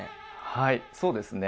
はいそうですね